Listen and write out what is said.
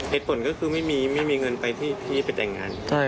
เหตุผลก็คือไม่มีเงินไปที่ไปแต่งงาน